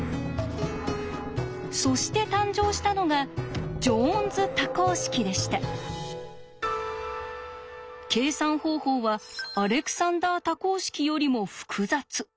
そして誕生したのが計算方法はアレクサンダー多項式よりも複雑。